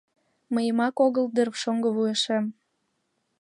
Мыйымак огыл дыр, шоҥго вуешем?